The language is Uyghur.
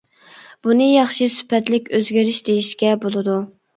بۇنى ياخشى سۈپەتلىك ئۆزگىرىش دېيىشكە بولىدۇ.